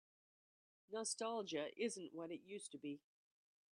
Nostalgia isn't what it used to be.